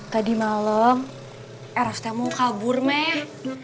tadi malem eros temen mau kabur meh